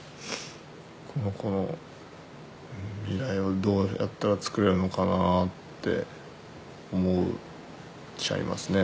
この子の未来はどうやったらつくれるのかなって思っちゃいますね。